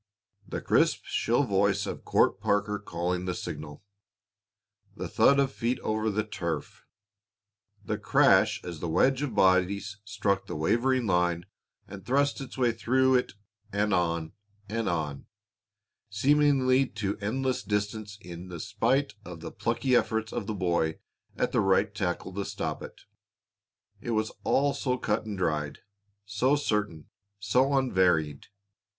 The crisp, shrill voice of Court Parker calling the signal, the thud of feet over the turf, the crash as the wedge of bodies struck the wavering line and thrust its way through it and on, on, seemingly to endless distance in spite of the plucky efforts of the boy at right tackle to stop it it was all so cut and dried, so certain, so unvaried.